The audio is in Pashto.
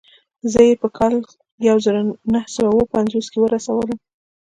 زه يې په کال يو زر و نهه سوه اووه پنځوس کې ورسولم.